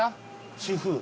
主婦。